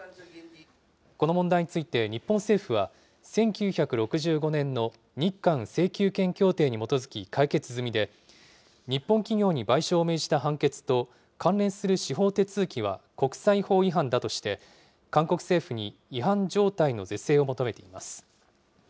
この問題について日本政府は、１９６５年の日韓請求権協定に基づき解決済みで、日本企業に賠償を命じた判決と関連する司法手続きは国際法違反だとして、韓国政府に違反状態の是正を求めています。